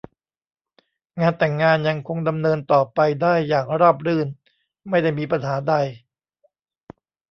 งานแต่งงานยังคงดำเนินต่อไปได้อย่างราบรื่นไม่ได้มีปัญหาใด